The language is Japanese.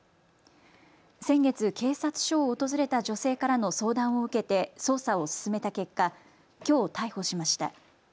先月、警察署を訪れた女性からの相談を受けて捜査を進めた結果、きょう逮捕しました。